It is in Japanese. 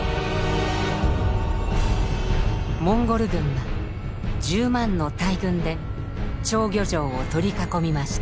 モンゴル軍は１０万の大軍で釣魚城を取り囲みました。